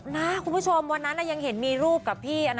นะคุณผู้ชมวันนั้นยังเห็นมีรูปกับพี่